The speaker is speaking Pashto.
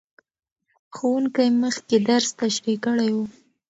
ښوونکی مخکې درس تشریح کړی و.